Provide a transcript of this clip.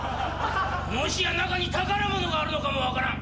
もしや中に宝物があるのかもわからん。